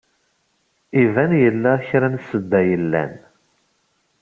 Iban yella kra n ssebba yellan.